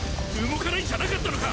動かないんじゃなかったのか！